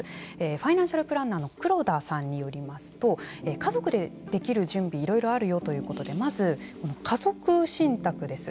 ファイナンシャルプランナーの黒田さんによりますと家族でできる準備はいろいろあるよということでまず家族信託です。